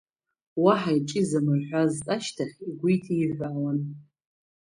Уаҳа иҿы изамырҳәазт, ашьҭахь игәы иҭиҳәаауан…